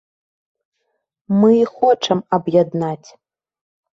Мы і хочам аб'яднаць.